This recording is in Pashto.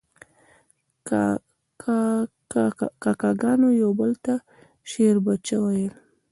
کاکه ګانو یو بل ته شیربچه ویل.